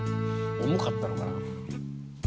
重かったのかな。